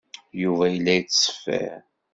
Yuba yella yettṣeffir.